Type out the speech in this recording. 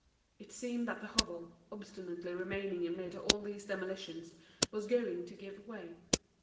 It seemed that the hovel, obstinately remaining amid all these demolitions, was going to give way.